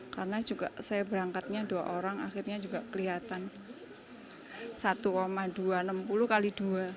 karena juga saya berangkatnya dua orang akhirnya juga kelihatan satu dua enam puluh kali dua